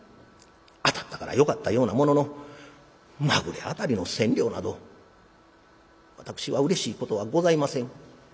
当たったからよかったようなもののまぐれ当たりの千両など私はうれしいことはございません」。